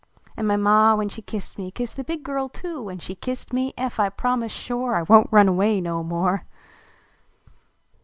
An my Ma, when she kissed me. Kissed the big girl too, an slic Kissed me ef 1 p omise shore I won t run awav no more